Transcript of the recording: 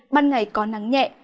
ban ngày có nắng nhẹ